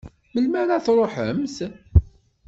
Melmi ara tṛuḥemt?